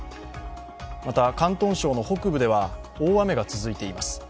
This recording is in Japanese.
また、広東省の北部では大雨が続いています。